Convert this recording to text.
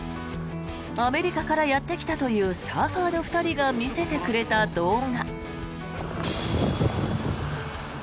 アメリカからやってきたというサーファーの２人が見せてくれた動画。